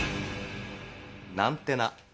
ナンテナ。